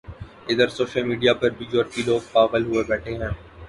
ادھر social media پر بھی یورپی لوگ پاغل ہوئے بیٹھے ہیں